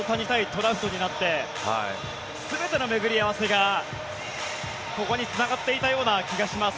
トラウトになって全ての巡り合わせがここにつながっていたような気がします。